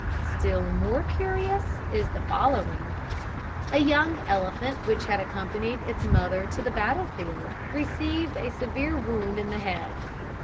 Still more curious is the following: A young elephant which had accompanied its mother to the battle field received a severe wound in the head.